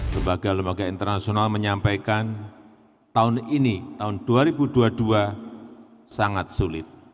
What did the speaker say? lembaga lembaga internasional menyampaikan tahun ini tahun dua ribu dua puluh dua sangat sulit